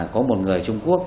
có một người trung quốc